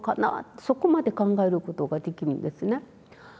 そこまで考えることができるんですね。